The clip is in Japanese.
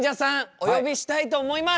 お呼びしたいと思います。